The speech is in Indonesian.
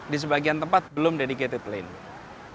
di sebagian tempat belum dedicated lane